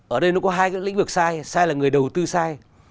ở đây nó có hai lĩnh vực sai sai là người đầu tư sai